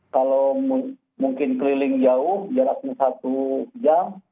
kalau mungkin keliling jauh jaraknya satu jam